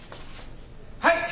はい。